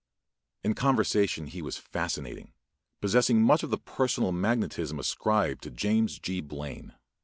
In conversation he was fascinating, possessing much of the personal magnetism ascribed to James G. Blaine.